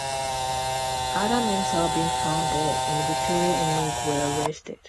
Adam ends up being found "dead", and Victoria and Nick were arrested.